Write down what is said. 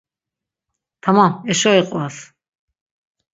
Tamam, eşo iqvas.